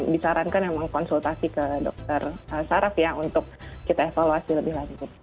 disarankan memang konsultasi ke dokter saraf ya untuk kita evaluasi lebih lanjut